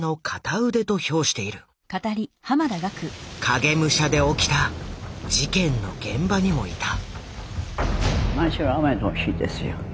「影武者」で起きた事件の現場にもいた。